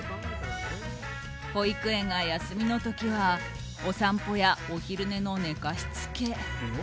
保育園が休みの時はお散歩やお昼寝の寝かしつけ。